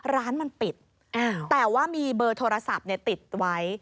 ร้านมันปิดแต่ว่ามีเบอร์โทรศัพท์ติดไว้